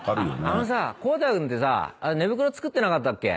あのさコウタ君ってさ寝袋作ってなかったっけ？